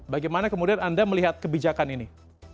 bagaimana kemudian anda melihat kebijakan ini